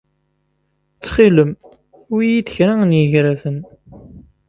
Ttxil-m, awi-iyi-d kra n yigraten.